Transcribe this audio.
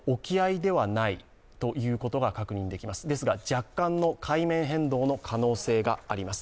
若干の海面変動の可能性があります。